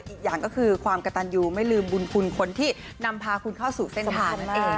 อีกอย่างก็คือความกระตันยูไม่ลืมบุญคุณคนที่นำพาคุณเข้าสู่เส้นทางนั่นเอง